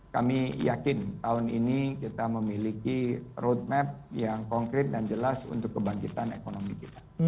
kami yakin tahun ini kita memiliki roadmap yang konkret dan jelas untuk kebangkitan ekonomi kita